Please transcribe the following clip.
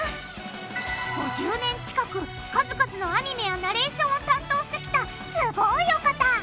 ５０年近く数々のアニメやナレーションを担当してきたすごいお方！